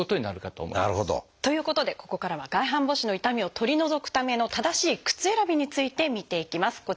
なるほど。ということでここからは外反母趾の痛みを取り除くための正しい靴選びについて見ていきます。